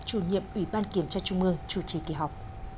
chủ nhiệm ủy ban kiểm tra trung ương chủ trì kỳ họp